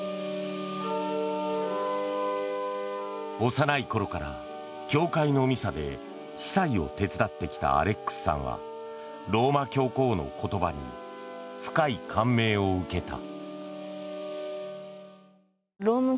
幼い頃から、教会のミサで司祭を手伝ってきたアレックスさんはローマ教皇の言葉に深い感銘を受けた。